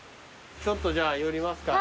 ちょっとじゃあ寄りますか。